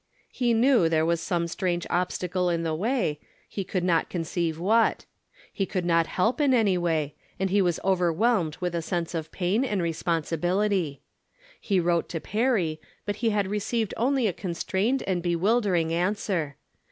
He knew there was some strange obstacle in the way, he could not conceive what. He could not help in any way, and he was over whelmed with the sense of pain and responsibility. He wrote to Perry, but he had received only a constrained and bewildering answer.